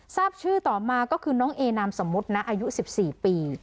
ทราบชื่อต่อมาก็คือน้องเอนามสมมุตินะอายุ๑๔ปี